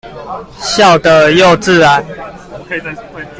笑得又自然